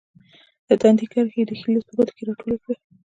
د تندي کرښې یې د ښي لاس په ګوتو کې راټولې کړې.